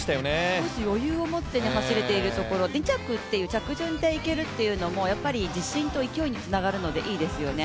少し余裕を持って走れているところ２着っていう着順で行けるっていうのもやっぱり自信と勢いで行けるのでいいですよね。